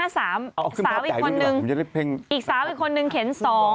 เสาอีกคนนึงสาวอีกคนนึงเข็น๒๕๐